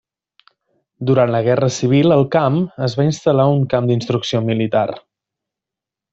Durant la guerra civil al camp es va instal·lar un camp d'instrucció militar.